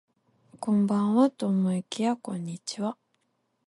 こんばんはと思いきやこんにちは